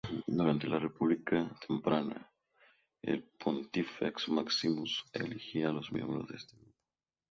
Durante la República temprana, el Pontifex Maximus elegía a los miembros de estos grupos.